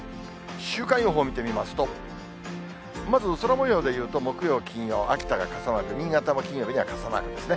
週間予報見てみますと、まず空もようでいうと、木曜、金曜、秋田が傘マーク、新潟も金曜日には傘マークですね。